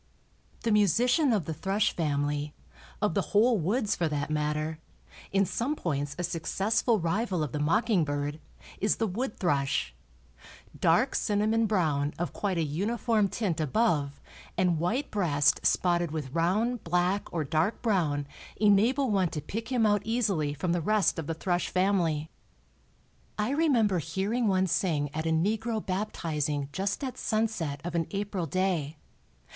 The musician of the thrush family, of the whole woods for that matter, in some points a successful rival of the mocking bird, is the wood thrush. Dark cinnamon brown, of quite a uniform tint above and white breast spotted with round, black, or dark brown enable one to pick him out easily from the rest of the thrush family. I remember hearing one sing at a negro "baptizing" just at sunset of an April day.